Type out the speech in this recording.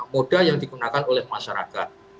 moda yang digunakan oleh masyarakat